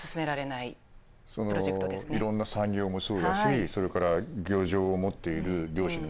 いろんな産業もそうだしそれから漁場を持っている漁師の皆さんもそう。